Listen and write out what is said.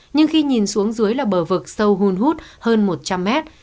nhưng khi nhìn xuống dưới là bờ vực sâu hun hút hơn một trăm linh mét